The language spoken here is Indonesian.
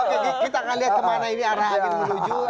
oke kita akan lihat kemana ini arah angin menuju